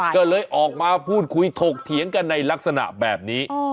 ก็เลยออกมาพูดคุยถกเถียงกันในลักษณะแบบนี้